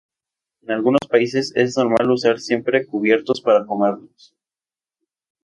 En algunos países es normal usar siempre cubiertos para comerlos.